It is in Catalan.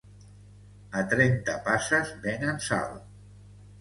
A trenta passes venen sal.